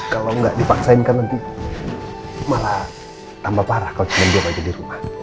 kalau gak dipaksain kan nanti malah tambah parah kalau jangan dia wajah di rumah